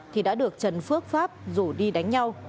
thì đã được trần phước pháp rủ đi đánh nhau